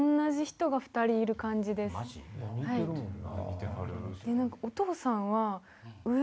似てるもんな。